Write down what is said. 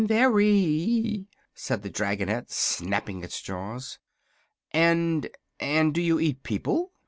"Very," said the dragonette, snapping its jaws. "And and do you eat people?"